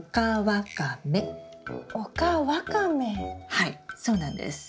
はいそうなんです。